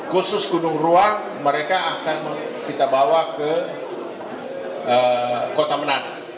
khusus gunung ruang mereka akan kita bawa ke kota menat